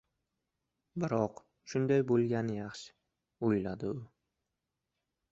— Biroq shunday bo‘lgani yaxshi! — o‘yladi u.